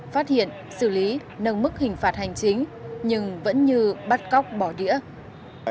phát hiện xử lý nâng mức hình phạt hành chính nhưng vẫn như bắt cóc bỏ đĩa